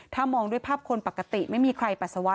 ถ้ามองด้วยภาพคนปกติไม่มีใครปัสสาวะ